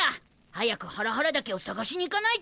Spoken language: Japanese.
早くハラハラ茸を探しにいかないと。